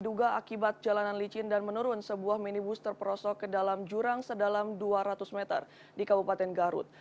duga akibat jalanan licin dan menurun sebuah minibus terperosok ke dalam jurang sedalam dua ratus meter di kabupaten garut